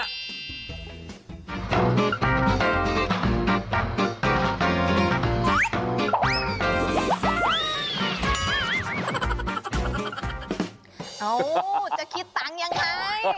เขาจะคิดตังค์ยังไง